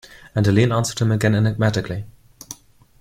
And Helene answered him again enigmatically.